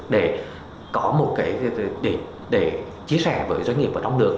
để chia sẻ với doanh nghiệp ở trong nước